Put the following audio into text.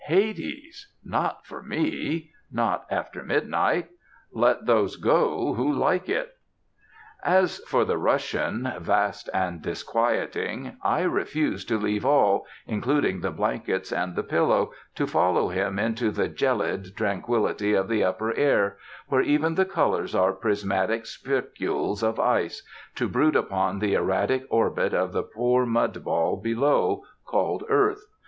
Hades! Not for me; not after midnight! Let those go who like it. As for the Russian, vast and disquieting, I refuse to leave all, including the blankets and the pillow, to follow him into the gelid tranquillity of the upper air, where even the colors are prismatic spicules of ice, to brood upon the erratic orbit of the poor mud ball below called earth.